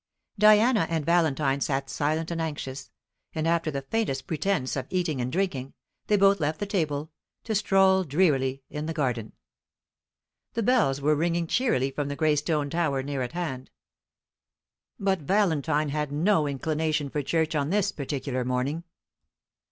Diana and Valentine sat silent and anxious; and after the faintest pretence of eating and drinking, they both left the table, to stroll drearily in the garden. The bells were ringing cheerily from the grey stone tower near at hand; but Valentine had no inclination for church on this particular morning.